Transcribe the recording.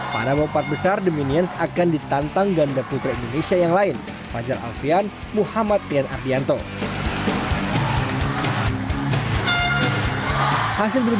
pada bopat besar dominions akan ditantang ganda putra indonesia yang lain fajar alfian muhammad tian ardi